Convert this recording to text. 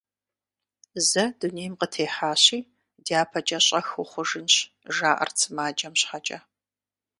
Зэ дунейм къытехьащи, дяпэкӀэ щӀэхыу хъужынщ, – жаӀэрт сымаджэм щхьэкӀэ.